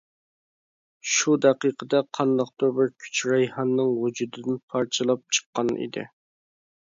شۇ دەقىقىدە قانداقتۇر بىر كۈچ رەيھاننىڭ ۋۇجۇدىدىن پارچىلاپ چىققان ئىدى.